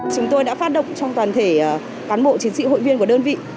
chúng tôi đã phát động trong toàn thể cán bộ chiến sĩ hội viên của đơn vị